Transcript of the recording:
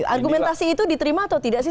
argumentasi itu diterima atau tidak sih